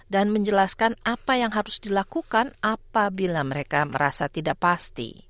dan menjelaskan apa yang harus dilakukan apabila mereka merasa tidak pasti